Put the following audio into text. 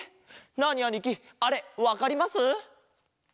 ナーニあにきあれわかります？